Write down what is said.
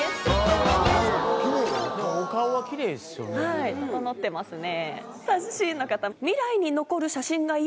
はい整ってますね。